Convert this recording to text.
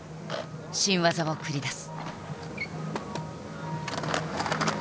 新技を繰り出す。